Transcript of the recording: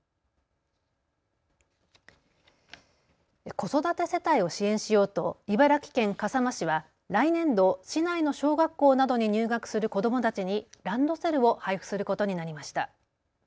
子育て世帯を支援しようと茨城県笠間市は来年度、市内の小学校などに入学する子どもたちにランドセルを配付することになりました。